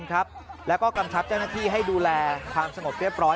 แล้วก็กำชับเจ้าหน้าที่ให้ดูแลความสงบเรียบร้อย